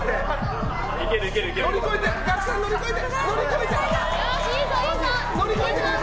学さん、乗り越えて！